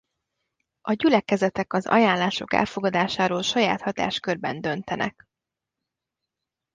A gyülekezetek az ajánlások elfogadásáról saját hatáskörben döntenek.